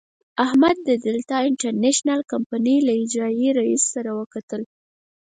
احمد د دلتا انټرنشنل کمينۍ له اجرائیوي رئیس سره وکتل.